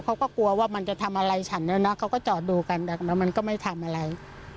เขาก็กลัวว่ามันจะทำอะไรฉันแล้วนะเขาก็จอดดูกันแต่แล้วมันก็ไม่ทำอะไร